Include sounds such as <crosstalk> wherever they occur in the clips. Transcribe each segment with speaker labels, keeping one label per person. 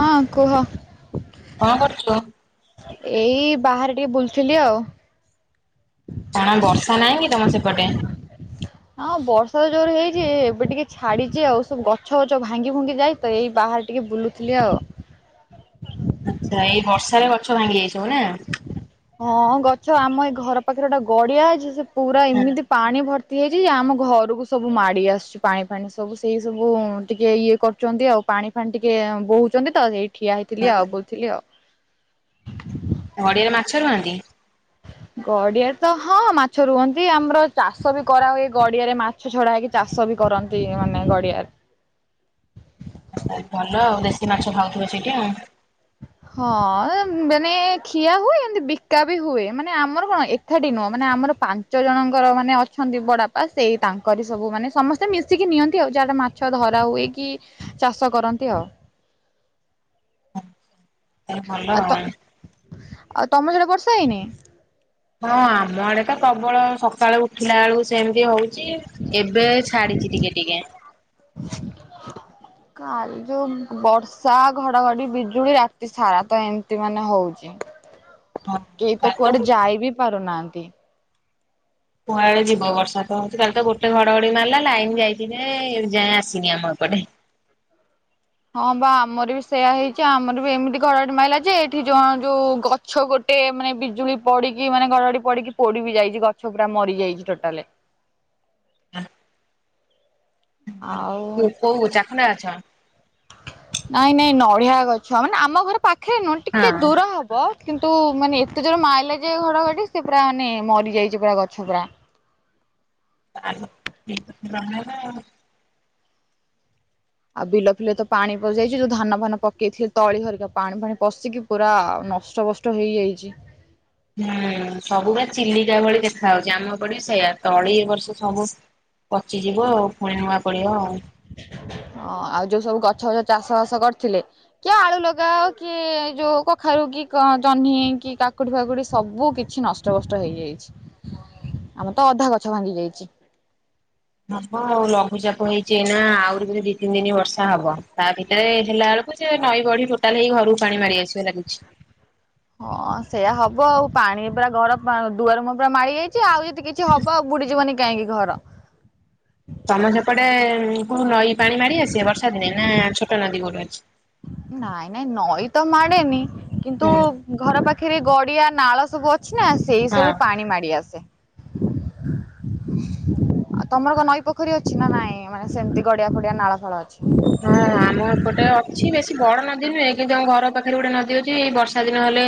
Speaker 1: ହଁ କୁହ।
Speaker 2: କଣ କରୁଛୁ?
Speaker 1: ଏଇ ବାହାରେ ଟିକେ ବୁଲୁଥିଲି ଆଉ
Speaker 2: କଣ ବର୍ଷା ନାହିଁ କି ତମ ସେପଟେ?
Speaker 1: ହଁ ବର୍ଷା ତ ଜୋର ହେଇଛି ଏବେ ଟିକେ ଛାଡିଛି ଆଉ ସବୁ ଗଛ ଫଛ ଭାଙ୍ଗି ଭୁଙ୍ଗି ଯାଇ <unintelligible> ତ ଏଇ ବାହାରେ ଟିକେ ବୁଲୁ ଥିଲି ଆଉ
Speaker 2: ଆଚ୍ଛା ଏଇ ବର୍ଷାରେ ଗଛ ଭାଙ୍ଗି ଯାଇଛିି ନା
Speaker 1: ହଁ ଗଛ ଆମ ଏଇ ଘର ପାଖରେ ଗୋଟେ ଗଡିଆ ଅଛି ସେ ପୁରା ଏମିତି ପାଣି ଭର୍ତ୍ତି ହେଇଛି ଆମ ଘରକୁ ସବୁ ମାଡ଼ି ଆସୁଛି ପାଣି ଫାଣି ସବୁ ସେଇ ସବୁ ଟିକେ ଇଏ କରୁଛନ୍ତି ଆଉ ପାଣି ପାଣି ଟିକେ ବୋହୁଛନ୍ତି ତ ସେଇ ଠିଆ
Speaker 2: ହୁଁ,
Speaker 1: ହେଇଥିଲି ଆଉ ବୁଲୁଥିଲି ଆଉ
Speaker 2: ଗଡିଆରେ ମାଛ ରୁହନ୍ତି?
Speaker 1: ଗଡିଆରେ ତ ହଁ ମାଛ ରୁହନ୍ତି ଆମର ଚାଷ ବି କରାହୁୁଏ ଗଡିଆରେ ମାଛ ମାଛ ଛଡା ହେଇକି ଚାଷ ବି କରନ୍ତି ମାନେ ଗଡିଆରେ
Speaker 2: ଭଲ ଆଉ ଦେଶୀ ମାଛ ଖାଉଥିବେ ସେଇଠି ଆଉ
Speaker 1: ହଁ ମାନେ ଖିଆ ହୁଏ ଏମିତି ବିକା ବି ହୁଏ ମାନେ ଆମର କଣ ଏକାଠି ନୁହଁ ମାନେ ଆମର ପା ପାନ୍ଚ ଜଣଙ୍କର ମାନେ ଅଛନ୍ତି ବଡାପା ସେଇ ତାଙ୍କରି ସବୁ ମାନେ ସମସ୍ତେ ମିଶିକି ନିଅନ୍ତି ଆଉ ଯାହାଟା ମାଛ ଧରା ହୁଏକି ଚାଷ କରନ୍ତି ଆଉ
Speaker 2: ତାହେଲେ ଭଲ
Speaker 1: ଆଉ ତ ଆଉ ତମ ସିଆଡେ ବର୍ଷା ହେଇନି?
Speaker 2: ହଁ ଆମ ଆଡେ ତ ପ୍ରବଳ ସକାଳୁ ଉଠିଲା ବେଳକୁ ସେମିତି ହଉଛି ଏବେ ଛାଡିଛି ଟିକେ ଟିକେ
Speaker 1: କାଲି ଯୋଉ ବର୍ଷା ଘଡଘଡି ବିଜୁଳି ରାତି ସାରା ତ ଏମତି ମାନେ ହଉଛି
Speaker 2: ହଁ
Speaker 1: କେହି ତ
Speaker 2: କାଲି
Speaker 1: କୁଆଡେ ଯାଇ ବି ପାରୁନାହାନ୍ତି।
Speaker 2: କୁଆଳେ ଯିବ ବର୍ଷା ତ ହଉଛି। କାଲି ତ ଗୋଟେ ଘଡଘଡି ମାରିଲା ଲାଇନ ଯାଇଛି ଯେ ଏ ଯାଏ ଆସିନି ଆମ ଏପଟେ।
Speaker 1: ହଁ ବା ଆମର ବି ସେୟା ହେଇଛି ଆମର ବି ଏମିତି ଘଡଡି ମାଇଲା ଯେ ଏଠି ଯଣ ଯୋଉଁ ଗ ଗଛ ଗୋଟେ ମାନେ ବିଜୁଳି ପଡିକି ମାନେ ଘଡଘଡି ପଡିକି ପୋଡି ବି ଯାଇଛି। ଗଛ ପୁରା ମରି ଯାଇଛି ଟୋଟାଲେ। ଆଉ
Speaker 2: କୋଉ ଛାଖୁଣ୍ଡା ଗଛ।
Speaker 1: ନାଇଁ ନାଇଁ ନଡିଆ ଗଛ। ମାନେ ଆମ ଘର ପାଖରେ ନୁହଁ ଟିକେ
Speaker 2: ହଁ।
Speaker 1: ଦୂର ହବ। କିନ୍ତୁ ମାନେ ଏତେ ଜୋର ମାଇଲେଜ ଘଡଘଡି ସେ ପୁରା ମାନେ ମରିଯାଇଛି ପୁରା ଗଛ ପୁରା।
Speaker 2: ଆ <unintelligible>
Speaker 1: ଆଉ ବିଲ ଫିଲ ତ ପାଣି ପଶିଯାଇଛି। ଯୋଉ ଧାନ ଫାନ ପକେଇଥିଲେ ତଳି ଘରିକ ପାଣି ଫଣି ପଶିକି ପୁରା ନଷ୍ଟବଷ୍ଟ ହେଇଯାଇଛି।
Speaker 2: ହୁଁ ସବୁବେ ଚିଲିକା ଭଳି ଦେଖା ହଉଛି। ଆମ ପିବ ସେଇଆ ତଳି ଏ ବର୍ଷ ସବୁ ପଚିଯିବ ଆଉ ପୁଣି ନୂଆ ପଳିବ ଆଉ।
Speaker 1: ହଁ ଆଉ ଯୋଉ ସବୁ ଗଛବଛ ଚାଷ ବାସ କରିଥିଲେ। କିଏ ଆଳୁ ଲଗାଅ କିଏ ଯୋଉ କଖାରୁ କି ଜହ୍ନି କି କାକୁଡି ଫାକୁଡି ସବୁ କିଛି ନଷ୍ କଷ୍ଟ କଷ୍ଟ ହେଇଯାଇଛି। ଆମର ତ ଅଧା ଗଛ ଭାଙ୍ଗି ଯାଇଛି।
Speaker 2: ହବ ଆଉ ଲଘୁଚାପ ହେଇଛି। ନା ଆହୁରି ଦି ତିନି ଦିନି ବର୍ଷା ହବ। ତା ଭି ଏ ହେଲା ବଳକୁ ସେ ନଈ ବଢି ଟୋଟାଲ ହେଇ ଘରକୁ ପାଣି ମାଡି ଆସିବ ଲାଗୁଛି।
Speaker 1: ହଁ ସେଇୟା ହବ ଆଉ। ପାଣି ପୁରା ଘର ଦୁଆ ରୁମ ପୁରା ମାଳି ଯାଇଛି। ଆଉରି କିଛି ହବ ଆଉ ବୁଡିଯିବନି କାହିଁକି ଘର।
Speaker 2: ତମେ ସେପଟେ କୋଉ ନଈ ପାଣି ମାଡି ଆସେ ବର୍ଷା ଦିନେ। ନା ଛୋଟ ନଦୀ କୋଉଠି ଅଛି।
Speaker 1: ନାଇଁ ନାଇଁ ନଈ ତ ମାଡେନି। କିନ୍ତୁ
Speaker 2: ହୁଁ
Speaker 1: ଘର ପାଖରେ ଗଡିଆ ନାଳ ସବୁ ଅଛି ନା ସେଇ ସବୁ ପାଣି ମାଡି ଆସେ।
Speaker 2: ହୁଁ
Speaker 1: ଆଉ ତମର ନଈ ପୋଖରୀ ଅଛି ନା ନାଇଁ ମାନେ ସେମିତି ଗଡିଆ ଫଡିଆ ନାଳ ଫାଳ ଅଛି।
Speaker 2: ହଁ ଆମ ଗୋଟେ ଅଛି ବେଶୀ ବଡ ନଦୀ ନୁହେଁ। କିନ୍ତୁ ଆମ ଘର ପାଖରେ ଗୋଟେ ନଦୀ ଅଛି। ଏଇ ବର୍ଷା ଦିନ ହେଲେ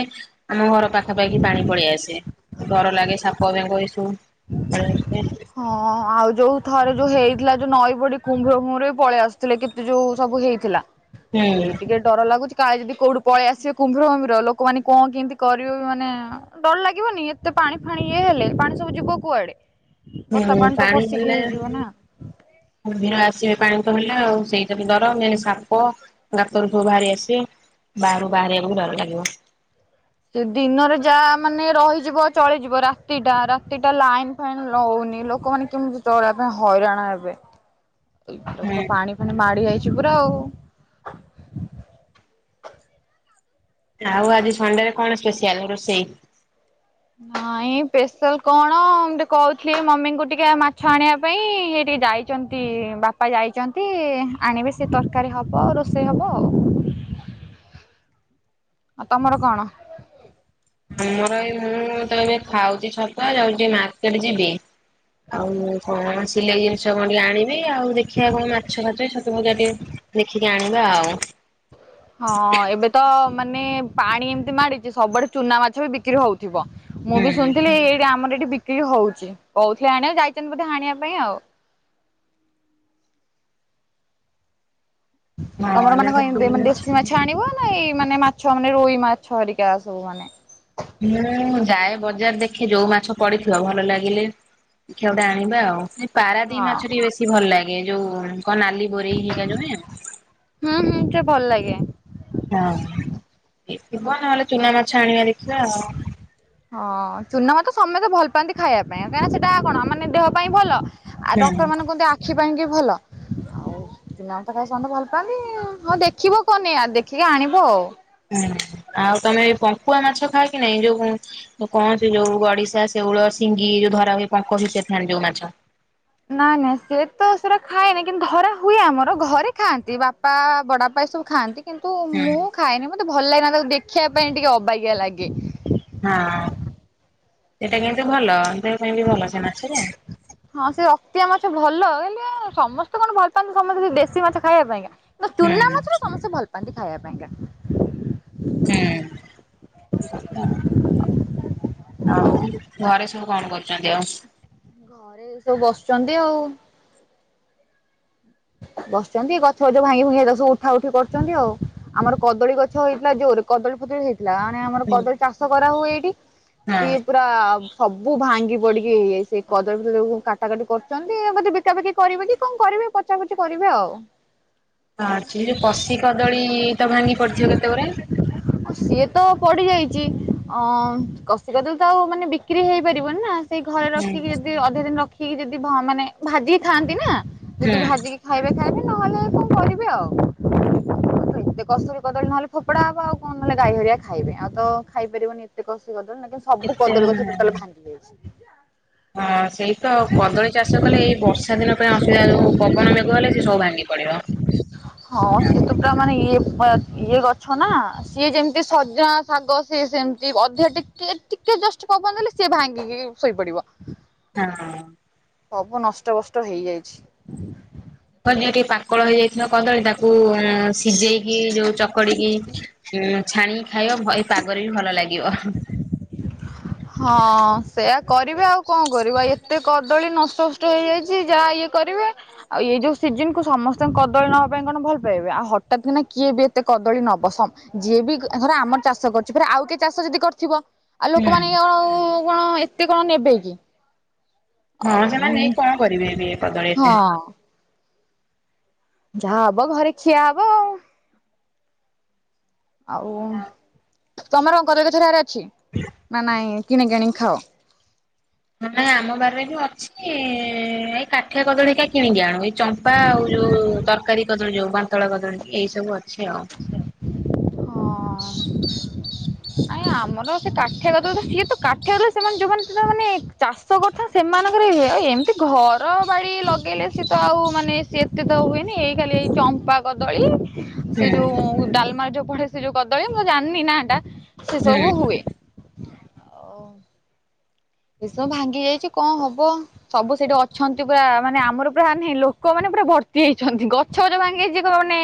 Speaker 2: ଆମ ଘର ପାଖାପାଖି ପାଣି ପଳେଇ ଆସେ। ଡର ଲାଗେ ସାପ ବେଙ୍ଗ ଏ ସବୁ ଆସେ।
Speaker 1: ହଁ। ଆଉ ଯୋଉ ଥରେ ଯୋଉ ହେଇଥିଲା ଯୋଉ ନଈ ବଡି କୁମ୍ଭୀର ଫୁମ୍ଭୀର ବି ପଳେଇ ଆସୁଥିଲେ। କିନ୍ତୁ ଯୋଉ ସବୁ ହେଇଥିଲା। ସେଇ ଟିକେ ଡର ଲାଗୁଛି କାଳେ ଯଦି କୋଉଠୁ ପଳେଇ ଆସିବେ କୁମ୍ଭୀର ଫୁମ୍ଭୀର ଲୋକମାନେ କଣ କେମିତି କରିବେ ମାନେ ଡର ଲାଗିବନି ଏତେ ପାଣି ଫାଣି ଇଏ ହେଲେ, ପାଣି ସବୁ ଯିବ କୁଆଡେ? ବର୍ଷା
Speaker 2: ହୁଁ
Speaker 1: ତ
Speaker 2: ପାଣି
Speaker 1: ପଶିକି
Speaker 2: ହେଲେ
Speaker 1: ହେଇଯିବ ନା।
Speaker 2: କୁମ୍ଭୀର ଆସିବେ ପାଣି ତ ହେଲା ଆଉ ସେଇଟା ବି ଡର ମେନ୍ ସାପ ଗାତରୁ ସବୁ ବାହାରି ଆସିବେ, ବାହାରକୁ ବାହାରିବାକୁ ବି ଡର ଲାଗିବ।
Speaker 1: ସେ ଦିନରେ ଯାହା ମାନେ ରହିଯିବ ଚଳିଯିବ ରାତିଟା, ରାତିଟା ଲାଇନ୍ ପାଣି ରହୁନି ଲୋକମାନେ କେମିତି ଚଳିବା ପାଇଁ ହଇରାଣ ହେବେ। ଏଇଟା
Speaker 2: ହୁଁ
Speaker 1: ତ ପାଣି ଫାଣି ମାଡି ଆଇଛି ପୁରା ଆଉ।
Speaker 2: ଆଉ ଆଜି ସଣ୍ଡେ ରେ କଣ ସ୍ପେସିଆଲ ରୋଷେଇ।
Speaker 1: ନାଇଁ ସ୍ପେଶାଲ କଣ ମୁଁ ଟିକେ କହୁଥିଲି ମମିଙ୍କୁ ଟିକେ ମାଛ ଆଣିବା ପାଇଁ। ହେଇ ଟିକେ ଯାଇ ଛନ୍ତି ବାପା ଯାଇଛନ୍ତି ଆଣିବେ ସେ ତରକାରୀ ହବ। ରୋଷେଇ ହବ ଆଉ। ଆଉ ତମର କଣ?
Speaker 2: ଆମର ଏଇ ମୁଁ ତ ଏବେ ଖାଉଛି ଛତୁଆ। ଯାଉଛି ମାର୍କେଟ ଯିବି। ଆଉ ମୁଁ କଣ ସିଲେଇ ଜିନିଷ କଣ ଟିକେ ଆଣିବି। ଆଉ ଦେଖିବା କଣ ମାଛ ଫାଛ ଛତୁ ଭଜା ଟିକେ ଦେଖିକି ଆଣିବା ଆଉ।
Speaker 1: ହଁ ଏବେ ତ ମାନେ ପାଣି ଏମିତି ମାଡିଛି। ସବୁଆଡେ ଚୁନା ମାଛ ବି ବିକ୍ରି ହଉଛି। ଥିବ ମୁଁ
Speaker 2: ହୁଁ
Speaker 1: ବି ଶୁଣିଥିଲି ଏଇଠି ଆମର ଏଇଠି ବି କି ହଉଛି କହୁଥିଲେ ଆଣିବା ଯାଇଛନ୍ତି ବୋଧେ ଆଣିବା ପାଇଁ ଆଉ।
Speaker 2: ହଁ
Speaker 1: ତମର
Speaker 2: ଏଇନା
Speaker 1: ମାନେ
Speaker 2: ତ
Speaker 1: କ ଏନ୍ତି
Speaker 2: କିଣି ଅଛି।
Speaker 1: ଦେଶୀ ମାଛ ଛାଣିବ ନା ଏଇ ମାନେ ମାଛ ମାନେ ରୋଇ ମାଛ ହେରିକା ସବୁ ମାନେ
Speaker 2: ହୁଁ ଯାଏ ବଜାର ଦେଖେ ଯୋଉ ମାଛ ପଡିଥିବ ଭଲ ଲାଗିଲେ ଦେଖିଆ ଗୋଟେ ଆଣିବା ଆଉ। ପାରାଦ୍ବୀପ
Speaker 1: ହଁ
Speaker 2: ମାଛ ଟିକେ ବେଶୀ ଭଲ ଲାଗେ ଯୋଉ କଣ ନାଲି ବୋରେଇ ହେଇଗା ଯୋଉ ନୁହେଁ।
Speaker 1: ହୁଁ ହୁଁ ସେ ଭଲ୍ ଲାଗେ।
Speaker 2: ହଁ କିଏ ଥିବ ନହେଲେ ଚୁନା ମାଛ ଆଣିବା ଦେଖିବା ଆଉ।
Speaker 1: ହଁ ଚୁନା ମାଛ ତ ସମସ୍ତେ ଭଲ ପାଆନ୍ତି ଖାଇବା ପାଇଁ କାଁଇକିନା ସେଟା କଣ ମାନେ ଦେହ ପାଇଁ ଭଲ ଆ
Speaker 2: ହୁଁ
Speaker 1: ଡକ୍ଟର ମାନେ କୁହନ୍ତି ଆଖି ପାଇଁକି ଭଲ। <unintelligible> ଚୁନା ମାଛ ତ ଖାଇବାକୁ ସମସ୍ତେ ଭଲ ପାଆନ୍ତି, ହଉ ଦେଖିବ କଣ ନେଇଆ ଦେଖିକି ଆଣିବ ଆଉ।
Speaker 2: ହୁଁ ଆଉ ତମେ ଏ ପଙ୍କୁଆ ମାଛ ଖାଅ କି ନାଇଁ ଯୋଉ ଯୋଉ କହନ୍ତି ଯୋଉ ଗଡିଶା, ଶେଉଳ, ସିଙ୍ଗି ଯୋଉ ଧରା ହୁଏ ପଙ୍କ ଭିତେରେ ଥାନ୍ତି ଯୋଉ ମାଛ।
Speaker 1: ନାଇଁ ନାଇଁ ସେତ ସେରା ଖାଏନି କିନ୍ତୁ ଧରା ହୁଏ ଆମର ଘରେ ଖାଆନ୍ତି ବାପା, ବଡାପା ଏ ସବୁ ଖାଆନ୍ତି କିନ୍ତୁ
Speaker 2: ହୁଁ
Speaker 1: ମୁଁ ଖାଏନି ମତେ ଭଲ ଲାଗେନା ତାକୁ ଦେଖିବା ପାଇଁ ଟିକେ ଅବାଗିଆ ଲାଗେ।
Speaker 2: ହଁ ସେଟା କିନ୍ତୁ ଭଲ ଦେହ ପାଇଁ ବି ଭଲ ସେ ମାଛରା
Speaker 1: ହଁ ସେ ରକ୍ତିଆ ମାଛ ଭଲ ହେଲେ ସମସ୍ତେ କଣ ଭଲ ପାଆନ୍ତି ସମସ୍ତେ ସେ ଦେଶୀ ମାଛ ଖାଇବା ପାଇଁକା ଚୁନା ମାଛ ରା ସମସ୍ତେ ଭଲ ପାଆନ୍ତି ଖାଇବା ପାଇଁକା।
Speaker 2: ହୁଁ <unintelligible> ଆଉ ଘରେ ସବୁ କଣ କରୁଛନ୍ତି ଆଉ?
Speaker 1: ଘରେ ଏ ସବୁ ବସୁଛନ୍ତି ଆଉ ବସୁଛନ୍ତି ଗଛ ଗଛ ଭାଙ୍ଗି ଭାଙ୍ଗି ସବୁ ଉଠା ଉଠି କରୁଛନ୍ତି ଆଉ। ଆମର କଦଳୀ ଗଛ ହେଇଥିଲା ଜୋରେ କଦଳୀ ଫଦଳିୀ ହେଇଥିଲା ମାନେ ଆମର
Speaker 2: ହୁଁ
Speaker 1: କଦଳୀ ଚାଷ କରା ହୁଏ ଏଇଠି
Speaker 2: ହଁ
Speaker 1: ସିଏ ପୁରା ସବୁ ଭାଙ୍ଗି ପଡିକିଇଏ ସେ କଦଳୀ ଫଦଳିସବୁ କାଟା କାଟି କରୁଛନ୍ତି ବୋଧେ ବି ପଚାପଚିକରିବେ କି କଣ କରିବେ ପଚାପଚି କରିବେ ଆଉ
Speaker 2: ହଁଅଛି କଶି କଦଳୀ ତ ଭାଙ୍ଗି ପଡ଼ିଥିବ କେତେଗୁରେ
Speaker 1: ସିଏ ତ ପଡ଼ି ଯାଇଛି ଅ କଷି କଦଳୀ ତ ଆଉ ମାନେ ବିକ୍ରି ହେଇପାରିବନି ନା ସେଇ ଘରେ
Speaker 2: ହୁଁ
Speaker 1: ରଖିକି ଯଦି ଅଧେ ଦିନ ରଖିକି ଯଦି ମାନେ ଭାଜି ଥାନ୍ତି ନା
Speaker 2: ହୁଁ
Speaker 1: ଯଦି ଭ। ଖାଇବେ ଖାଇବେ ନହେଲେ କଣ କରିବି ଆଉ ଏତେ କସ୍ତୁରୀ କଦଳୀ ନହଲେ ଫୋପୋଡା ହବ ଆଉ କଣ ନହେଲେ ଗାଈ ହରିଆ ଖାଇବେ ଆଉ ତ ଖାଇପାରିବନି କେତେ କଷି କଦଳୀ ନାକେସବୁ
Speaker 2: କେତେ
Speaker 1: କଦଳୀ ଗଛ ଟୋଟାଲ ଭାଙ୍ଗି ଯାଇଛି।
Speaker 2: ହଁ ସେଇ ତ କଦଳୀ ଚାଷ କଲେ ଏଇ ବର୍ଷା ଦିନ ପାଇଁ ଅସୁବିଧା ଯୋଉ ପବନ ମେଗୁ ହେଲେ ସେ ସବୁ ଭାଙ୍ଗି ପଡିବ।
Speaker 1: ହଁ ସେତୁ ପୁରା ମାନେ ଇଏ ଆ ଇଏ ଗଛ ନା ସିଏ ଯେମିତି ସଜନା ଶାଗ ସିଏ ସେମିତି ଅଧା ଟିକେ ଟିକେ ଜଷ୍ଟ ପବନ ଦେଲେ ସିଏ ଭାଙ୍ଗିକି ଶୋଇପଡିବ।
Speaker 2: ହଁ।
Speaker 1: ସବୁ ନଷ୍ଟ ବଷ୍ଟ ହେଇଯାଇଛି।
Speaker 2: ଅ ଯିଏ ଟିକେ ପାକଳ ହେଇଯାଇଥିଲା କଦଳୀ ତାକୁ ଉମ୍ ସିଜେଇକି ଯୋଉ ଚକଡିକି ଉଁ ଛାଣିକି ଖାଇବ ମୋ ଏ ପାଗରେ ବି ଭଲ ଲାଗିବ ଅ ହଁ।
Speaker 1: ହଁ ସେଇୟା କରିବେ ଆଉ କଣ କରିବା। ଏତେ କଦଳୀ ନଷ୍ଟ ଭଷ୍ଟ ହେଇଯାଇଚି। ଯାଆ ଇଏ କରିବେ ଆଉ ଏଇ ଯୋଉ ସିଜିନ୍ କୁ ସମସ୍ତଙ୍କ କଦଳୀ ନବା ପାଇଁ କଣ ଭଲ ପାଇବେ ଆଉ ହଠାତ୍ କିନା କିଏ ବି ଏତେ କଦଳୀ ନବସମ ଯିଏ ବି ଧର ଆମର ଚାଷ କରୁଛି ଫରେ ଆଉ କିଏ ଚାଷ ଯଦି କରିଥିବ ଆଉ ଲୋକମାନେ
Speaker 2: ହୁଁ
Speaker 1: ଆଉ କଣ ଏତେ କଣ ନେବେ କି
Speaker 2: ହଁ
Speaker 1: ଆଉ
Speaker 2: ସେମାନେ ନେଇ କଣ କରିବେ ଏବେ ଏ କଦଳୀ ଏତେ
Speaker 1: ହଁ ଯାହା ହବ ଘରେ ଖିଆ ହବ ଆଉ ଆଉ ତମର କଦଳୀଗଛ ଏହାର ଅଛି ନା ନାଇଁ କିଣି କିଣିିକି ଖାଅ?
Speaker 2: ହ ନା ଆମ ବାରରେ ଯୋଉ ଅଛି ଏଇ କାଠିଆ କଦଳୀକା କିଣିକି ଆଣୁ ଏଇ ଚମ୍ପା ଆଉ ଯୋଉ ତରକାରୀ କଦଳୀ ଯୋଉ ବାନ୍ତଳ କଦଳୀ ଏଇ ସବୁ ଅଛି ଆଉ।
Speaker 1: ହଁ। ଆଏ ଆମର ସେ କାଠିଆ କଦଳୀ ତ ସିଏ ତ କାଠିଆ କଦଳୀ ସେମାନେ ଯୋଉମାନେ ସୁଦ୍ଧା ମାନେ ଚାଷ କଥା ସେମାନଙ୍କର ହୁଏ ଆଉ ଏମିତି ଘର ବାଡ଼ି ଲଗେଇଲେ ସିଏ ତ ଆଉ ମାନେ ସିଏ ଏତେ ତ ହୁଏନି ଏଇ ଖାଲି ଏଇ ଚମ୍ପା କଦଳୀ ସେ
Speaker 2: ହୁଁ
Speaker 1: ଯୋଉ ଡାଲମାରେ ଯୋଉ ପଡେ ସେ ଯୋଉ କଦଳୀ ମୁଁ ଜାଣନି ନାଁ ଟା ସେ
Speaker 2: ହୁଁ
Speaker 1: ସବୁ ହୁଏ। ଅମ୍ ଭୀଷଣ ଭାଙ୍ଗି ଯାଇଚି କଁ ହବ? ସବୁ ସେଇଟି ଅଛନ୍ତି ପୁରା ମାନେ ଆମର ପୁରା ଆନେ ଲୋକ ମାନେ ପୁରା ଭର୍ତ୍ତି ହେଇଛନ୍ତି। ଗ ଛୋଯ ଭାଙ୍ଗି ଯାଇଚି ଯିଏ କହିବ ମାନେ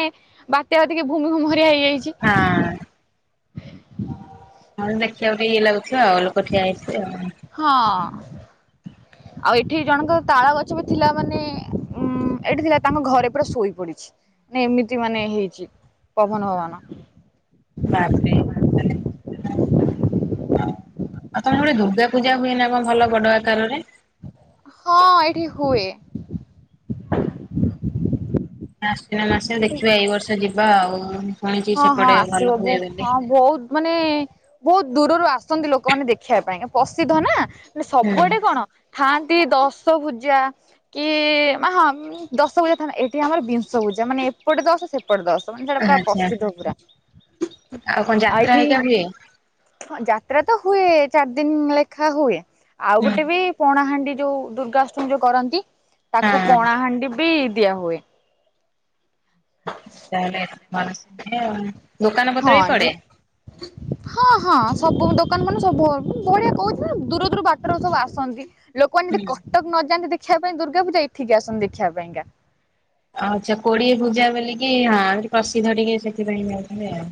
Speaker 1: ବାତ୍ୟା ଟିକେ ଭୂମୁମୁମୁମରିଆ ହେଇଯାଇଚି।
Speaker 2: ହାଁ। ହଁ ଦେଖିବାକୁ ଟିକେ ଇଏ ଲାଗୁଥିବ ଆଉ ଲୋକ ଠିଆ ହେଇଥିବ ଆଉ।
Speaker 1: ହଁ। ଆଉ ଏଠି ଜଣଙ୍କର ତାଳ ଗଛ ବି ଥିଲା ମାନେ ଉଁ ଏଠି ଥିଲା ତାଙ୍କ ଘରେ ପୁରା ଶୋଇ ପଡିଛି। ନା ଏମିତି ମାନେ ହେଇଚି ପବନ ଭବନ।
Speaker 2: ବାପରେ ହଁ। ଆଉ ତମର ଗୋଟେ ଦୁର୍ଗା ପୂଜା ହୁଏ ନା କଣ ଭଲ ବଡ ଆକାରରେ।
Speaker 1: ହଁ ଏଇଠି ହୁଏ।
Speaker 2: ଆଶ୍ୱିନ ମାସେରେ
Speaker 1: ଏଇଠି
Speaker 2: ଦେଖିବା ଏଇ ବର୍ଷ ଯିବା ଆଉ। ଶୁଣିଛି
Speaker 1: ହଁ ହଁ
Speaker 2: ସେପଟେ ଭଲ
Speaker 1: ଆସିବ ବୁ
Speaker 2: ହୁଏ ବୋଲି।
Speaker 1: ହଁ ବହୁତ୍। ମାନେ ବହୁତ୍ ଦୂରରୁ ଆସନ୍ତି ଲୋକମାନେ ଦେଖିବା ପାଇଁ ପସିଦ୍ଧ ନା। ମ
Speaker 2: ହୁଁ
Speaker 1: ସବୁଆଡେ କଣ ଥାଆନ୍ତି ଦଶ ଭୂଜା? କି ହଁ ଦଶ ଭୂଜା ଥାନା ଏଠି ଆମର ବିଂଶ ପୂଜା ମାନେ ଏପଟେ ଦଶ ସେପ୍ ପଟେ ଦଶ ମାନେ ସେଟା ପୁରା
Speaker 2: ଆଚ୍ଛା
Speaker 1: ପସିଦ୍ଧ ପୁରା
Speaker 2: ଆଉ କଣ ଯାତ୍ରା
Speaker 1: ଆଏଠି
Speaker 2: ହେରିକା ହୁଏ?
Speaker 1: ଯାତ୍ରା ତ ହୁଏ ଚାରି ଦିନ ଲେଖା ହୁଏ। ଆଉ
Speaker 2: ହୁଁ
Speaker 1: ଗୋଟେ ବି ପଣାହାଣ୍ଡି ଯୋଉ ଦୁର୍ଗାଷ୍ଟମୀ ଯୋଉ କରନ୍ତି ତାକୁ
Speaker 2: ହଁ।
Speaker 1: ପଣାହାଣ୍ଡି ବି ଦିଆ ହୁଏ।
Speaker 2: ତାହେଲେ ମାନସ୍ ମାନେ ଦୋକାନ ପତ୍ର
Speaker 1: ହଁ
Speaker 2: ବି ପଡେ।
Speaker 1: ଯେ ହଁ ହଁ ସବୁ ଦୋକାନ ମାନେ ସବୁ ବଢିଆ କହୁଚି ନା ଦୂର ଦୂର ବାଟରୁ ସବୁ ଆସନ୍ତି। ଲୋକମାନେ ଯଦି
Speaker 2: ହୁଁ
Speaker 1: କଟକ ନଯାନ୍ତି ଦେଖିବା ପାଇଁ ଦୁର୍ଗା ପୂଜା ଏଠିକି ଆସନ୍ତି ଦେଖିବା ପାଇଁକା।
Speaker 2: ଆ ଆଛା କୋଡିଏ ପୂଜା ବୋଲିକି ହଁ ପ୍ରସିଦ୍ଧ ଟିକେ ସେଥିପାଇଁ ଯାଉଥିବେ ଆଉ।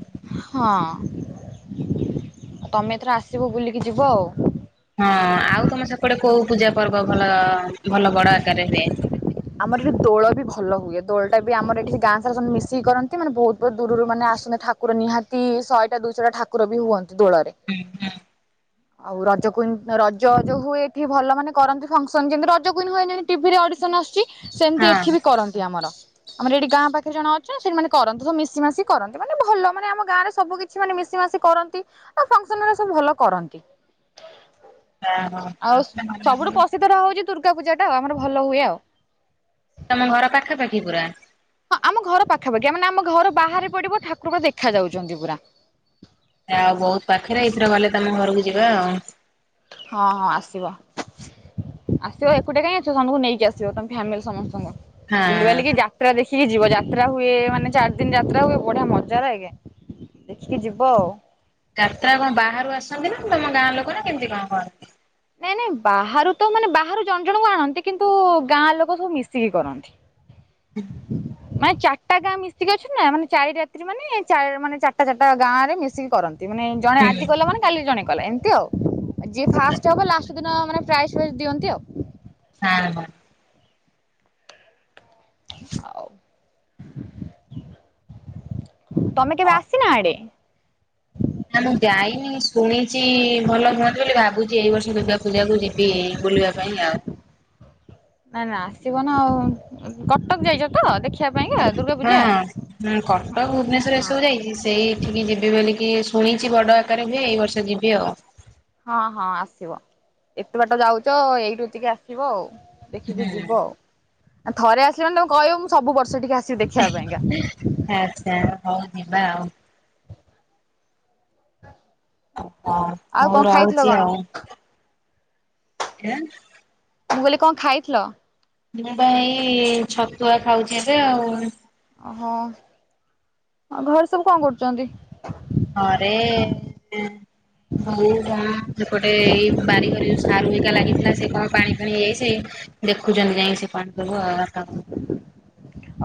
Speaker 1: ହଁ। ତମେ ଏଥର ଆସିବ ବୁଲିକି ଯିବ ଆଉ।
Speaker 2: ହଁ। ଆଉ ତମ ସେପଟେ କୋଉ ପୂଜା ପର୍ବ ଭଲ ଭଲ ବଡ ଆକାରରେ ହୁଏ?
Speaker 1: ଆମର ଏଠି ଦୋଳ ବି ଭଲ ହୁଏ। ଦୋଳଟା ବି ଆମର ଏଠି ଗାଁ ସାରା ସମସ୍ତେ ମିଶିକି କରନ୍ତି ମାନେ ବହୁତ୍ ବହୁତ୍ ଦୂରରୁ ମାନେ ଆସନ୍ତି ଠାକ୍ କୁର ନିହାତି ଶହେଟା ଦୁଇଶହଟା ଠାକୁର ବି ହୁଅନ୍ତି ଦୋଳରେ।
Speaker 2: ହଁ
Speaker 1: ଆଉ ରଜ କୁଇନ୍ ରଜ ଯୋଉ ହୁଏ ଏଠି ଭଲ ମାନେ କରନ୍ତି ଫଙ୍କସନ୍। ଯେମତି ରଜ କୁଇନ୍ ହୁଏ ଯେମିନି ଟିଭିରେ ଅଡିସନ୍ ଆସୁଚି। ସେମତି ଏଠି ବି କରନ୍ତି ଆମର। ଆମର ଏଇଠି ଗାଁ ପାଖରେ ଜଣେ ଅଛେ ସେଠି ମାନେ କରନ୍ତି ସବୁ ମିଶି ମାଶି କରନ୍ତି ମାନେ ଭଲ ମାନେ ଆମ ଗାଁରେ ସବୁ କି ସେମାନେ ମିଶି ମାସି କରନ୍ତି ଆଉ ଫଙ୍କସନ୍ ରେ ସବୁ ଭଲ କରନ୍ତି।
Speaker 2: ଏଁ ହଁ।
Speaker 1: ଧର ହଉଚି ଦୂର୍ଗା ପୂଜାଟା ଆମର ଭଲ ହୁଏ ଆଉ।
Speaker 2: ତମ ଘର ପାଖାପାଖି ପୁରା?
Speaker 1: ହଁ ଆମ ଘର ପାଖାପାଖି ଆ ମାନେ ଆମ ଘର ବାହାରେ ପଡିବ ଠାକୁର ପୁରା ଦେଖାଯାଉଚନ୍ତି ପୁରା।
Speaker 2: ୟା ବହୁତ୍ ପାଖରେ ଏଇଥର ଗଲେ ତମ ଘରକୁ ଯିବା ଆଉ।
Speaker 1: ହଁ ହଁ ଆସିବ। ଆସିବ ଏକୁଟିଆ କାଇଁ ଆସିବ। ସନମଙ୍କୁ ନେଇକି ଆସିବ। ତମ ଫ୍ୟାମିଲି ସମସ୍ତଙ୍କୁ
Speaker 2: ହଁ।
Speaker 1: ବୁଲିବାଲିକି ଯା ଯାତ୍ରା ଦେଖିକି ଯିବ। ଯାତ୍ରା ହୁଏ ମାନେ ଚାରି ଦିନ ଯାତ୍ରା ହୁଏ ବଢିଆ ମଜା ଲାଗେ। ଦେଖିକି ଯିବ ଆଉ।
Speaker 2: ଯାତ୍ରା କଣ ବାହାରୁ ଆସନ୍ତି ନା ତମ ଗାଁ ଲୋକ ନା କେମିତି କଣ କରନ୍ତି?
Speaker 1: ନାଇଁ ନାଇଁ ବାହାରୁ ତ ମାନେ ବାହାରୁ ଜଣ ଜଣଙ୍କୁ ଆଣନ୍ତି, କିନ୍ତୁ ଗାଁ ଲୋକ ସବୁ ମିଶିକି କରନ୍ତି।
Speaker 2: ହଁ
Speaker 1: ମାନେ ଚାରିଟା ଗାଁ ମିଶିକି ଅଛ ନା, ମାନେ ଚାରି ରାତ୍ରୀ ମାନେ ମାନେ ଚାରିଟା ଚାରିଟା ଗାଁରେ ମିଶିକି କରନ୍ତି, ମାନେ ଜଣେ
Speaker 2: ହୁଁ
Speaker 1: ଆଜି କଲା ମାନେ, କାଲି ଜଣେ କଲା ଏମିତି ଆଉ ଯିଏ ଫାଷ୍ଟ ହବ ଲାଷ୍ଟ ଦିନ ମାନେ ପ୍ରାଇଜ ଫାଇଜ ଦିଅନ୍ତି ଆଉ
Speaker 2: ହଁ ହଁ
Speaker 1: ତମେ
Speaker 2: ହଁ
Speaker 1: କେବେ ଆସିନା ଆଡେ
Speaker 2: ନା ମୁଁ ଯାଇନି ଶୁଣିଛି ଭଲ ହୁଅନ୍ତି ବୋଲି, ଭାବୁଛି ଏଇ ବର୍ଷ ଦୁର୍ଗା ପୂଜା କୁ ଯିବି ବୁଲିବାକୁ <unintelligible>
Speaker 1: ନାଇ ନାଇଁ ଆସିବ ନା ଆଉ କଟକ ଯାଇଛ ତ ଦେଖ
Speaker 2: ହଁଁ କଟକ
Speaker 1: ହଁ
Speaker 2: ଭୁବନେଶର ଏସବୁ ଯାଇଛି। ସେଇଠିକି ଯିବି ବୋଲିକି ଶୁଣିଛି ବଡ଼ ଆକାରରେ ହୁଏ, ଏଇ ବର୍ଷ ଯିବି ଆଉ
Speaker 1: ହଁ ହଁ ଆସିବ, ଏତେ ବାଟ ଯାଉଛ, ଏଇଠୁ ଟିକେ ଆସିବ ଆଉ ଦେଖିକି ଯିବ ଆଉ, ଥରେ ଆସିଲେନା ତମ କହିବ ମୁଁ ସବୁ ବର୍ଷ ଟିକେ ଆସିବି ଦେଖିବା ପାଇଁକା
Speaker 2: ଆଛା, ହଉ ଯିବା ଆଉ ହ
Speaker 1: ଆଉ
Speaker 2: ମୁଁ
Speaker 1: କଣ ଖାଇ ଥିଲ
Speaker 2: ରହୁଛି
Speaker 1: କଣ
Speaker 2: ଆଉ <unintelligible>
Speaker 1: ମୁଁ କହିଲି କଣ ଖାଇଥିଲ?
Speaker 2: ମୁଁ ବା ହେଇ ଛତୁଆ ଖାଉଛି ଏବେ ଆଉ
Speaker 1: ଓହୋ, ଘରେ ସବୁ କଣ କରୁଛନ୍ତି?
Speaker 2: ଘରେ <unintelligible> ସେପଟେ ଏଇ ବାରିଘରେ ଯେଉଁ ସାରୁ ହେଇକା ଲାଗିଥିଲା, ସେ ପାଣି ଫାଣି ହେଇ ସେ ଦେଖୁଛନ୍ତି ଯାଇକି ସେ ପାଣି ସବୁ ଆଉ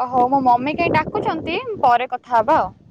Speaker 1: ଓହୋ ମୋ ମମି କାଇଁ ଡାକୁଛନ୍ତି, ପରେ କଥା ହବା ଆଉ